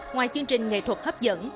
ngoài chương trình nghệ thuật hấp dẫn